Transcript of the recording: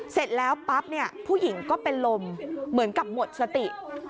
เสร็จแล้วปั๊บเนี่ยผู้หญิงก็เป็นลมเหมือนกับหมดสติ